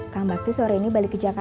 kang bakti sore ini balik ke jakarta